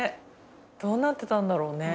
どうなってたんだろうね